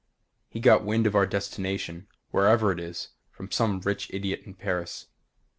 He got wind of our destination wherever it is from some rich idiot in Paris.